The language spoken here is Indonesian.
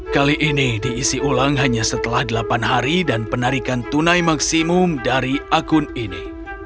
kali ini diisi ulang hanya setelah delapan hari dan penarikan tunai maksimum dari akun ini